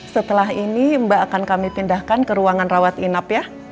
setelah ini mbak akan kami pindahkan ke ruangan rawat inap ya